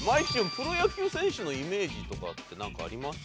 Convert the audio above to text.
プロ野球選手のイメージとかってなんかあります？